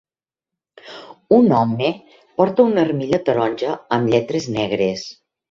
Un home porta una armilla taronja amb lletres negres.